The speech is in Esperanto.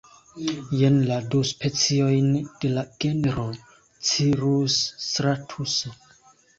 Jen la du speciojn de la genro cirusstratuso.